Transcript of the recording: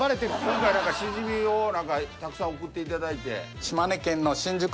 今回シジミをたくさん送っていただいて。